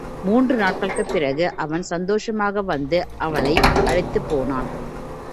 மூன்று நாட்களுக்குப் பிறகு அவன் சந்தோஷமாக வந்து, அவளை அழைத்துப் போனான்.